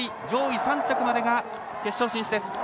上位３着までが決勝進出。